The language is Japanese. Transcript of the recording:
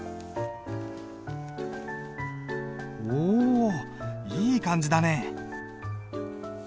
おおいい感じだね。